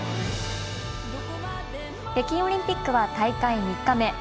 北京オリンピックは大会３日目。